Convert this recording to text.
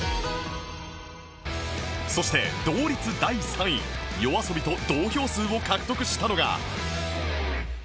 そして同率第３位 ＹＯＡＳＯＢＩ と同票数を獲得したのが